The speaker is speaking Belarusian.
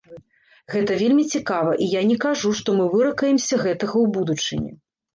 Гэта вельмі цікава, і я не кажу, што мы выракаемся гэтага ў будучыні.